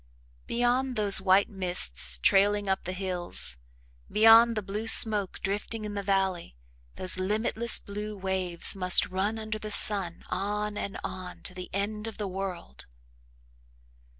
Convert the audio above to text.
Beyond those white mists trailing up the hills, beyond the blue smoke drifting in the valley, those limitless blue waves must run under the sun on and on to the end of the world!